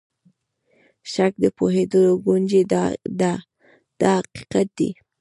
شک د پوهېدلو کونجۍ ده دا حقیقت دی.